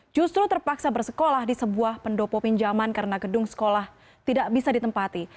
justru terpaksa bersekolah di sebuah pendopo pinjaman karena gedung sekolah tidak bisa ditempati